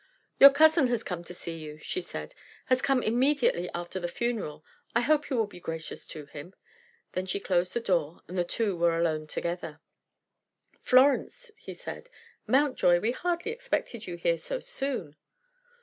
"Your cousin has come to see you," she said; "has come immediately after the funeral. I hope you will be gracious to him." Then she closed the door, and the two were alone together. "Florence!" he said. "Mountjoy! We hardly expected you here so soon."